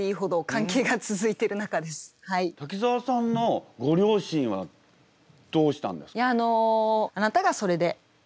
滝沢さんのご両親はどうしたんですか？